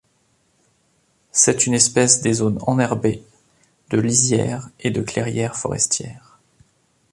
C'est une espèce des zones enherbées, de lisières et de clairières forestières.